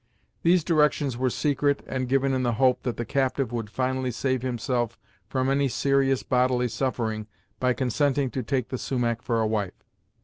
These directions were secret, and given in the hope that the captive would finally save himself from any serious bodily suffering by consenting to take the Sumach for a wife.